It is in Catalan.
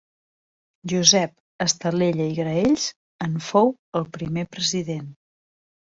Josep Estalella i Graells en fou el primer president.